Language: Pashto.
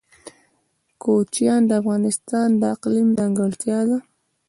کوچیان د افغانستان د اقلیم ځانګړتیا ده.